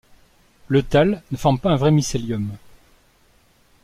Le thalle ne forme pas un vrai mycélium.